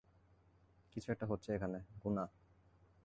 কিছু একটা হচ্ছে এখানে, গুনা।